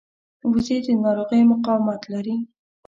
وزې د ناروغیو مقاومت لري